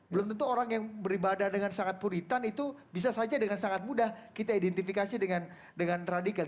belum tentu orang yang beribadah dengan sangat puritan itu bisa saja dengan sangat mudah kita identifikasi dengan radikal